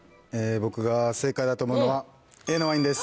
僕が正解だと思うのはＡのワインです